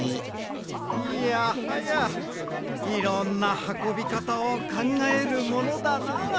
いやはやいろんなはこびかたをかんがえるものだな。